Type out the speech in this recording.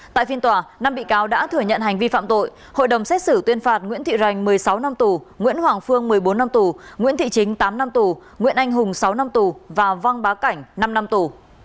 tại phiên tòa năm bị cáo đã thừa nhận hành vi phạm tội hội đồng xét xử tuyên phạt nguyễn thị ranh một mươi sáu năm tù nguyễn hoàng phương một mươi bốn năm tù nguyễn thị chính tám năm tù nguyễn anh hùng sáu năm tù và văn bá cảnh năm năm tù